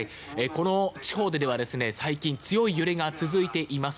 この地方では最近、強い揺れが続いています。